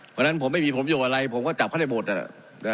เพราะฉะนั้นผมไม่มีผลโยงอะไรผมก็จับเขาได้หมดนั่นแหละ